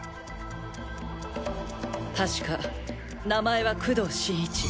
確か名前は工藤新一。